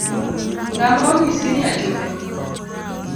Ng’a ma onyisi ni achwe?